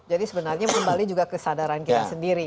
jadi sebenarnya membalik juga kesadaran kita sendiri ya